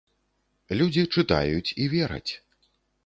Людзі чытаюць і вераць.